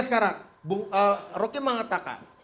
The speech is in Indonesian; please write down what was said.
sekarang bung rokim mengatakan